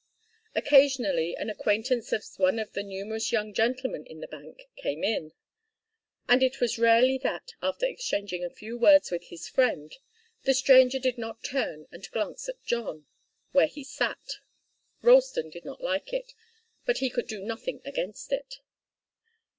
Occasionally an acquaintance of one of the numerous young gentlemen in the bank came in, and it was rarely that, after exchanging a few words with his friend, the stranger did not turn and glance at John, where he sat. Ralston did not like it, but he could do nothing against it.